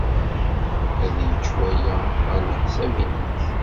Ad yečč waya, ɣef leḥsab-nnek?